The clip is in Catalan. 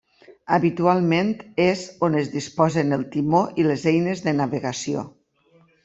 Habitualment és on es disposen el timó i les eines de navegació.